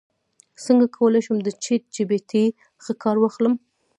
څنګه کولی شم د چیټ جی پي ټي ښه کار واخلم